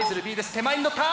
手前にのった！